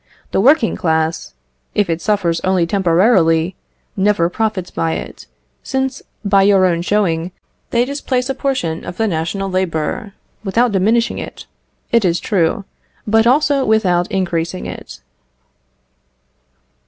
The working class, if it suffers only temporarily, never profits by it, since, by your own showing, they displace a portion of the national labour, without diminishing it, it is true, but also without increasing it."